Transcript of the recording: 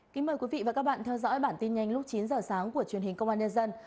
kính mời quý vị và các bạn theo dõi bản tin nhanh lúc chín giờ sáng của truyền hình công an nhân dân